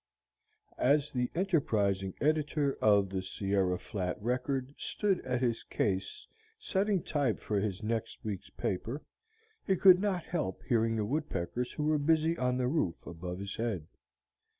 As the enterprising editor of the "Sierra Flat Record" stood at his case setting type for his next week's paper, he could not help hearing the woodpeckers who were busy on the roof above his head.